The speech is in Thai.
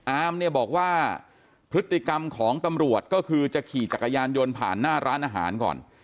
อามเนี่ยบอกว่าพฤติกรรมของตำรวจก็คือจะขี่จักรยานยนต์ผ่านหน้าร้านอาหารก่อน